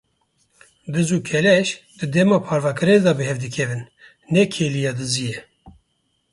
Diz û keleş di dema parvekirinê de bi hev dikevin, ne kêliya diziyê.